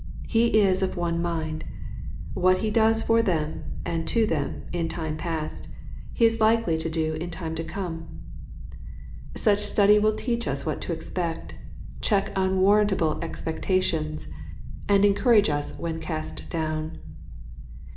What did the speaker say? He is of one mind. What He does for them, and to them, in time past, he is likely to do in time to 88 EXPOSITORY THOUGHTS. come. Such study will teach us what to expect, check unwarrantable expectations, and encourage us when cast down.